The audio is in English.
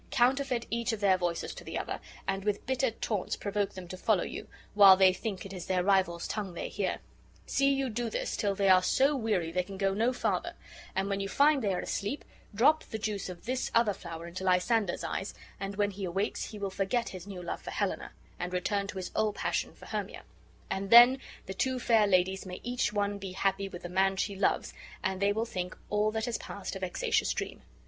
Counterfeit each of their voices to the other, and with bitter taunts provoke them to follow you, while they think it is their rival's tongue they hear. See you do this, till they are so weary they can go no farther; and when you find they are asleep, drop the juice of this other flower into Lysander's eyes, and when he awakes he will forget his new love for Helena, and return to his old passion for Hermia; and then the two fair ladies may each one be happy with the man she loves and they will think all that has passed a vexatious dream.